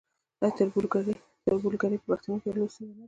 آیا تربورګلوي په پښتنو کې یوه ستونزه نه ده؟